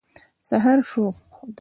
سهار شو.